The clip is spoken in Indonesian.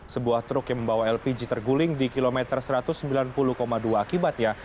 sebuah truk yang membawa lpg terguling di kilometer satu ratus sembilan puluh dua akibatnya